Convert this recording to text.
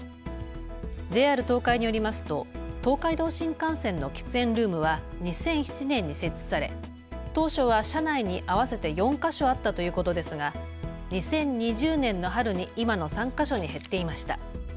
ＪＲ東海によりますと東海道新幹線の喫煙ルームは２００７年に設置され当初は車内に合わせて４か所あったということですが２０２０年の春に今の３か所に減っていました。